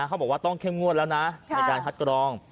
เขาบอกว่าต้องเข้มงวดแล้วนะในการคัดกรอง